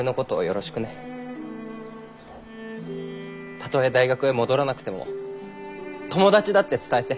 たとえ大学へ戻らなくても友達だって伝えて。